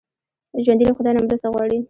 ژوندي له خدای نه مرسته غواړي